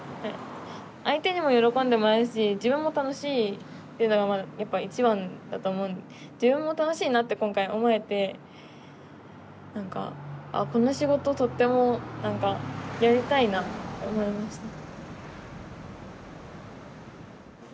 相手にも喜んでもらえるし自分も楽しいっていうのがやっぱ一番だと思う自分も楽しいなって今回思えてなんか「あこの仕事とってもなんかやりたいな」って思いました。